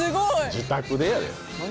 自宅でやで。